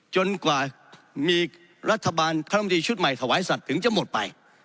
จนกว่ามีรัฐบาลคำดีชุดใหม่ถวายสัตว์ถึงจะหมดไป